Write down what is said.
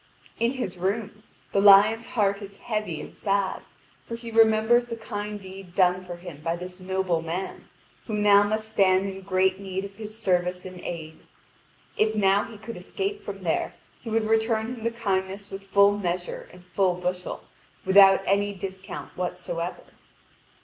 In his room, the lion's heart is heavy and sad, for he remembers the kind deed done for him by this noble man, who now must stand in great need of his service and aid. If now he could escape from there, he would return him the kindness with full measure and full bushel, without any discount whatsoever.